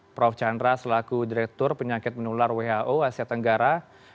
prof chandra selaku direktur penyakit menular who asia tenggara dua ribu delapan belas dua ribu dua puluh